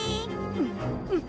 うんうん。